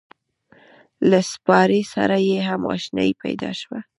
له سپارې سره یې هم اشنایي پیدا شوه.